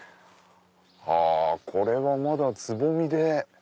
あこれはまだつぼみで。